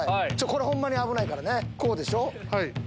ホンマに危ないからねこうでしょ。